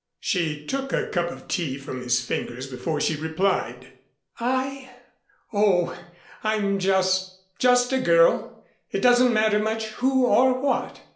She took the cup of tea from his fingers before she replied. "I? Oh, I'm just just a girl. It doesn't matter much who or what."